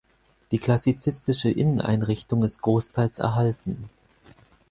Die klassizistische Inneneinrichtung ist großteils erhalten.